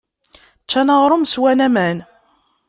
Ččan aɣrum, swan aman.